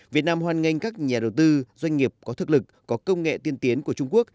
việt nam hoan nghênh các nhà đầu tư doanh nghiệp có thực lực có công nghệ tiên tiến của trung quốc